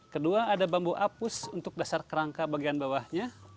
kedua ada bambu apus untuk dasar kerangka bagian bawahnya